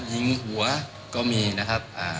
ยิงหัวก็มีนะครับ